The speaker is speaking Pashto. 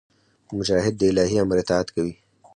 مجاهد د الهي امر اطاعت کوي.